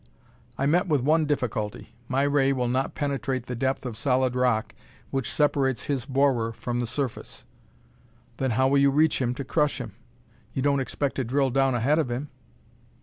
I met with one difficulty. My ray will not penetrate the depth of solid rock which separates his borer from the surface." "Then how will you reach him to crush him? You don't expect to drill down ahead of him?"